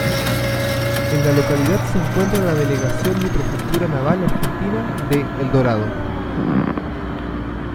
En la localidad se encuentra la delegación de Prefectura Naval Argentina de Eldorado.